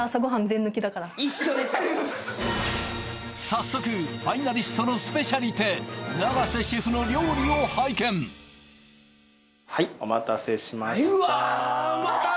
早速ファイナリストのスペシャリテ長瀬シェフの料理を拝見はいお待たせしました